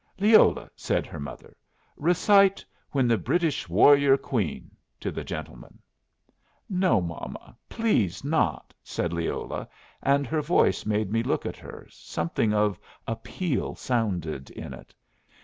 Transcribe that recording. "Leola," said her mother, "recite 'When the British Warrior Queen' to the gentleman." "No, momma, please not," said Leola, and her voice made me look at her; something of appeal sounded in it.